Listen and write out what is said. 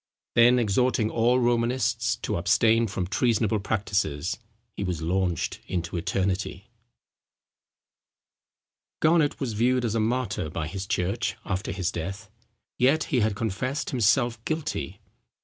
Then exhorting all Romanists to abstain from treasonable practices, he was launched into eternity. Garnet was viewed as a martyr by his church after his death. Yet he had confessed himself guilty.